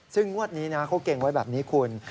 ซึ่งงวดนี้นะเขาเก่งไว้แบบนี้คุณ